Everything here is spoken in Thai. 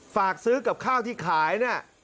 ฝากซื้อกับข้าวที่ขายนะ